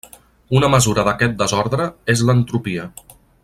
Una mesura d'aquest desordre és l'entropia.